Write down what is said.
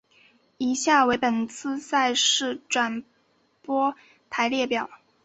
以下为本次赛事转播台列表。